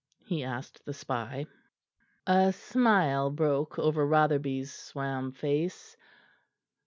he asked the spy. A smile broke over Rotherby's swam face.